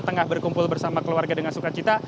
tengah berkumpul bersama keluarga dengan sukacita